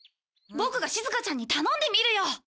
ボクがしずかちゃんに頼んでみるよ。